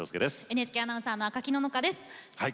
ＮＨＫアナウンサーの赤木野々花です。